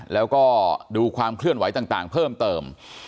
แล้วก็ดูความเคลื่อนไหวต่างเพิ่มเติม